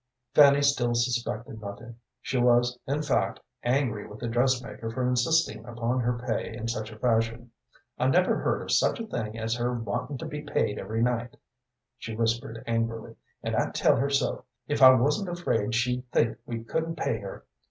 Fanny still suspected nothing. She was, in fact, angry with the dressmaker for insisting upon her pay in such a fashion. "I never heard of such a thing as her wantin' to be paid every night," she whispered, angrily, "and I'd tell her so, if I wasn't afraid she'd think we couldn't pay her.